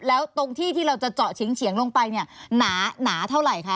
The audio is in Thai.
แล้วตรงที่ที่เราจะเจาะเฉียงลงไปเนี่ยหนาเท่าไหร่คะ